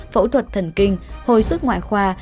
phẫu thuật thần kinh hồi sức ngoại khoa